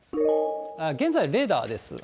現在のレーダーです。